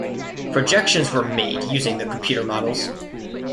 Projections were made using the computer models.